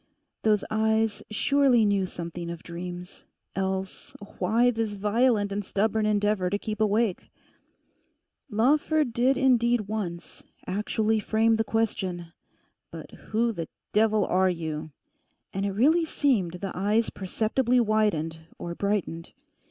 Those eyes surely knew something of dreams, else, why this violent and stubborn endeavour to keep awake. Lawford did indeed once actually frame the question, 'But who the devil are you?' And it really seemed the eyes perceptibly widened or brightened.